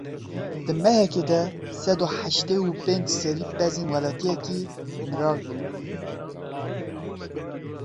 Di mehekê de sed û heştê û pênc serî pezên welatiyekî mirar bûn.